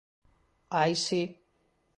Ai, si!